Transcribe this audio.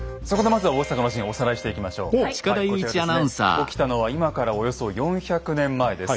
起きたのは今からおよそ４００年前です。